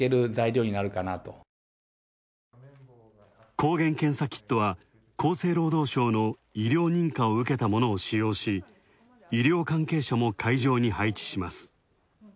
抗原検査キットは厚生労働省の医療認可を受けたものを使用し、医療関係者も配置します。